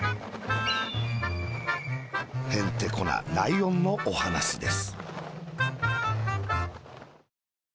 へんてこなライオンのおはなしです。